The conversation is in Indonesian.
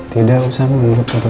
tidak usah menurut satu satu